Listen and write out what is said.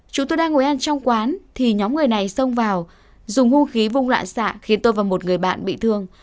chúng tôi đang ngồi ăn trong quán thì nhóm người này xông vào dùng hung khí vung lạ xạ khiến tôi và một người bạn bị thương